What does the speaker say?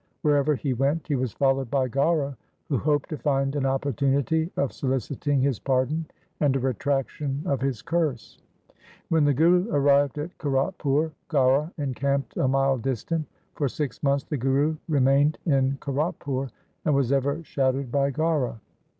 Wherever he went he was followed by Gaura, who hoped to find an opportunity of soliciting his pardon, and a retractation of his curse. When the Guru arrived in Kiratpur, Gaura encamped a mile distant. For six months the Guru remained in Kiratpur, and was ever shadowed by Gaura.